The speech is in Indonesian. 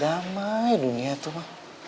damai dunia itu ma